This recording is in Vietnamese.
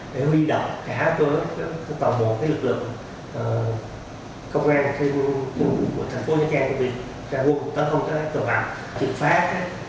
để huy động cả tổ chức tổng bộ lực lượng công an của thành phố nha trang